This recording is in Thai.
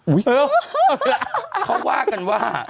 อุ๊ยเขาว่ากันว่า